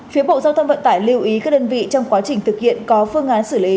phía bộ giao thông vận tải lưu ý các đơn vị trong quá trình thực hiện có phương án xử lý